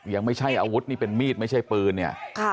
ถ้าวุฒินี่เป็นมีดไม่ใช่ปืนเนี่ย